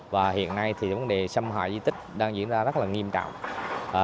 và hiện nay thì vấn đề xâm hại di tích đang diễn ra rất là nghiêm trọng